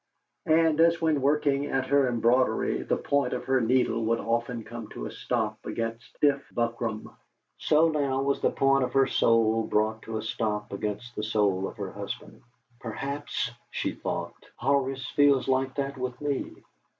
And as when in working at her embroidery the point of her needle would often come to a stop against stiff buckram, so now was the point of her soul brought to a stop against the soul of her husband. 'Perhaps,' she thought, 'Horace feels like that with me.'